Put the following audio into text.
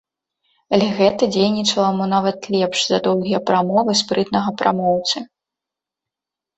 Але гэта дзейнічала мо нават лепш за доўгія прамовы спрытнага прамоўцы.